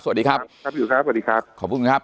สวัสดีครับครับพี่อุ๋ครับสวัสดีครับขอบคุณครับ